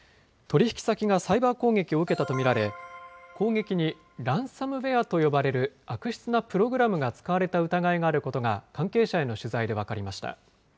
取り引き先がサイバー攻撃を受けたと見られ、攻撃にランサムウェアと呼ばれる悪質なプログラムが使われた疑いがあることが、関係者への取材で分かりました。